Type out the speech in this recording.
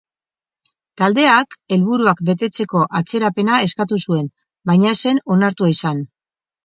Taldeak helburuak betetzeko atzerapena eskatu zuen, baina ez zen onartua izan.